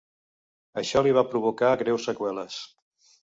Això li va provocar greus seqüeles.